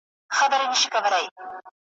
لس ډوله تعبیرونه وړاندي کړي .